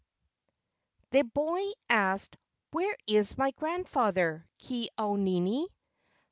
The boy asked, "Where is my grandfather, Ke au nini?